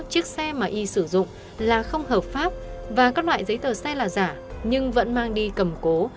chiếc xe mà y sử dụng là không hợp pháp và các loại giấy tờ xe là giả nhưng vẫn mang đi cầm cố